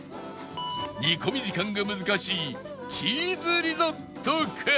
煮込み時間が難しいチーズリゾットか？